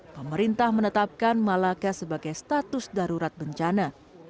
pemerintah menetapkan malaka sebagai status darurat bencana